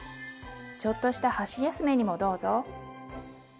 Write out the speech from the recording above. ちょっとした箸休めにもどうぞ。